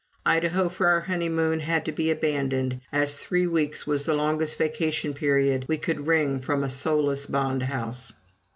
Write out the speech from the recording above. Idaho for our honeymoon had to be abandoned, as three weeks was the longest vacation period we could wring from a soulless bond house.